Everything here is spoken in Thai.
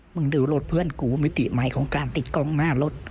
ดูรถเพื่อนกูมิติใหม่ของการติดกล้องหน้ารถ